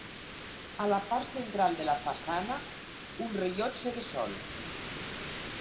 A part central de la façana, un rellotge de sol.